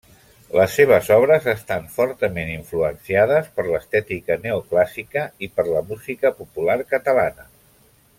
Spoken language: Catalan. Les seves obres estan fortament influenciades per l'estètica neoclàssica i per la música popular catalana.